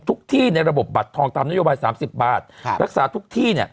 ที่ในระบบบัตรทองตามนโยบาย๓๐บาทรักษาทุกที่เนี่ย